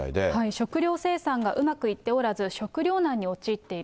食料生産がうまくいっておらず、食料難に陥っている。